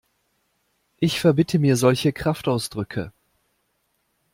Ich verbitte mir solche Kraftausdrücke!